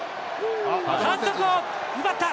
反則を奪った！